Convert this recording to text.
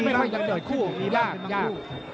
มันก็ยังเดินคู่ออกนี้บ้าง